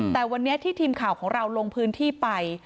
แต่วันนี้ที่ทีมข่าวของเราลงพื้นที่ไป